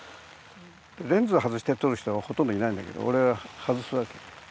レンズを外して撮る人はほとんどいないんだけど俺は外すわけ。